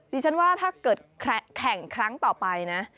ดิฉันว่าถ้าเกิดแข่งครั้งต่อไปนะ